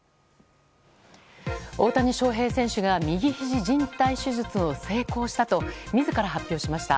大谷翔平選手が右ひじじん帯手術に成功したと自ら発表しました。